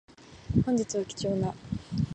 本日は貴重な